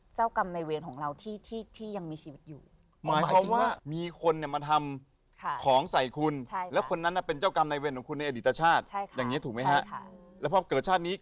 จคริมทร์ตกใจไหมครับ